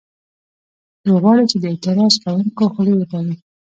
دوی غواړي چې د اعتراض کوونکو خولې وتړي